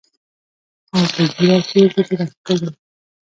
او پۀ ږيره کښې يې ګوتې راښکلې